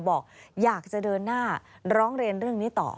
บอกอยากจะเดินหน้าร้องเรียนเรื่องนี้ต่อ